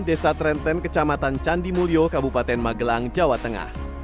desa trenten kecamatan candi mulyo kabupaten magelang jawa tengah